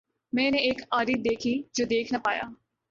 میں نے ایک آری دیکھی جو دیکھ نہ پایا۔